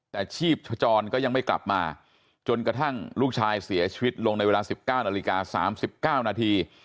แต่ชีพจรก็ยังไม่กลับมาจนกระทั่งลูกชายเสียชีวิตลงในเวลา๑๙นาฬิกา๓๙นาที